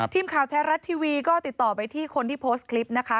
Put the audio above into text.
ทีมข่าวไทยรัฐทีวีก็ติดต่อไปที่คนที่โพสต์คลิปนะคะ